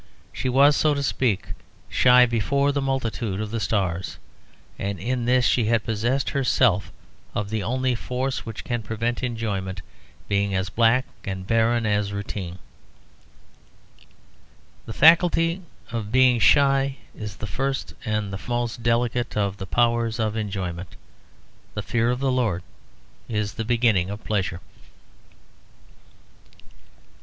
She was, so to speak, shy before the multitude of the stars, and in this she had possessed herself of the only force which can prevent enjoyment being as black and barren as routine. The faculty of being shy is the first and the most delicate of the powers of enjoyment. The fear of the Lord is the beginning of pleasure.